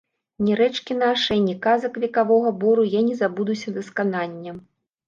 Ні рэчкі нашае, ні казак векавога бору я не забудуся да сканання.